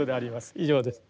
以上です。